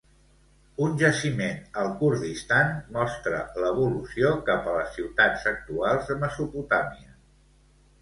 Un jaciment al Kurdistan mostra l'evolució cap a les ciutats actuals de Mesopotàmia.